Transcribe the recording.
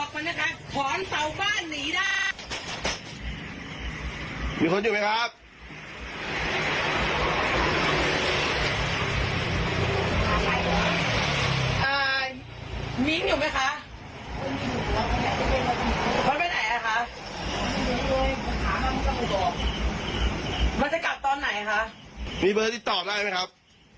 มันจะกลับตอนไหนคะมีเบอร์ติดต่อได้ไหมครับ